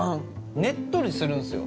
ねっとりするんですよ。